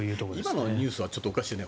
今のニュースはちょっとおかしいよね。